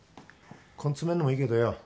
根詰めんのもいいけどよ